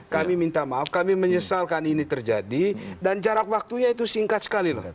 kami minta maaf kami menyesalkan ini terjadi dan jarak waktunya itu singkat sekali loh